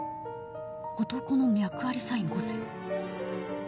男の脈ありサイン５選。